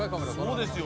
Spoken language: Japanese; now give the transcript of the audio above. そうですよ。